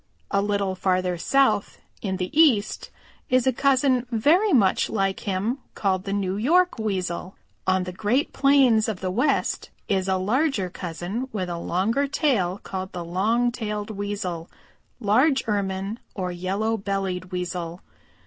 A little farther south in the East is a cousin very much like him called the New York Weasel. On the Great Plains of the West is a larger cousin with a longer tail called the Long tailed Weasel, Large Ermine, or Yellow bellied Weasel.